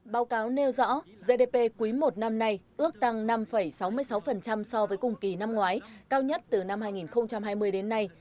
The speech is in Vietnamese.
báo cáo nêu rõ gdp quý i năm nay ước tăng năm sáu mươi sáu so với cùng kỳ năm ngoái cao nhất từ năm hai nghìn hai mươi đến nay